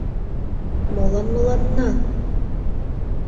Молан мыланна?..